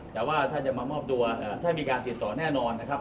แต่ว่าถ้าจะมามอบตัวถ้ามีการติดต่อแน่นอนนะครับ